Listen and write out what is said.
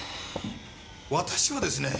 私はですね